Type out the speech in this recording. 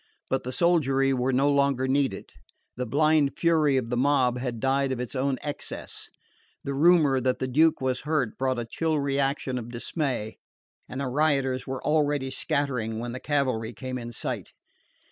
But the soldiery were no longer needed. The blind fury of the mob had died of its own excess. The rumour that the Duke was hurt brought a chill reaction of dismay, and the rioters were already scattering when the cavalry came in sight.